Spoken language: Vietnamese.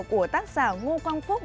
của tác giả ngo quang phúc